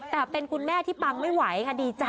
แต่เป็นคุณแม่ที่ปังไม่ไหวค่ะดีใจ